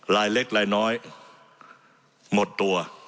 ลายเล็กลายน้อยหมดตัว